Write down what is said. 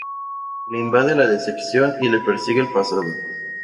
Le invade la decepción y le persigue el pasado.